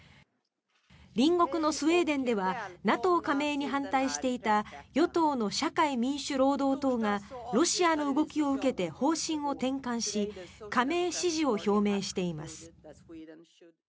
隣国のスウェーデンではＮＡＴＯ加盟に反対していた与党の社会民主労働党がロシアの動きを受けて方針を転換し加盟支持を表明しています。